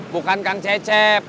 bukan kang cecep